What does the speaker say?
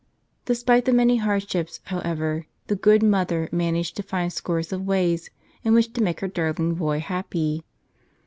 Despite the many hardships, however, the good mother managed to find scores of ways in which to make her darling boy happy.